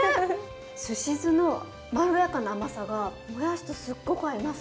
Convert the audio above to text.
すし酢のまろやかな甘さがもやしとすっごく合いますね。